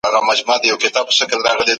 سم نیت خوښي نه زیانمنوي.